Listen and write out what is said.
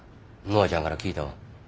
ノアちゃんから聞いたわ。